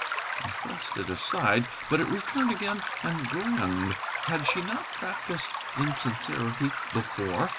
I thrust it aside, but it returned again and grinned. Had she not practised insincerity before?